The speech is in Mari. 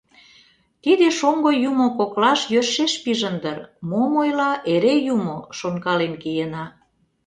«Тиде шоҥго юмо коклаш йӧршеш пижын дыр: мом ойла — эре юмо», — шонкален киена.